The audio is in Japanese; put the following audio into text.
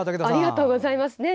ありがとうございます。